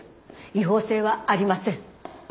違法性はありません。